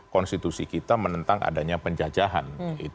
konstitusi kita menentang adanya penjajahan